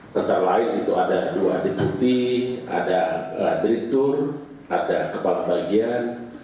tentang lain itu ada dua deputi ada direktur ada kepala bagian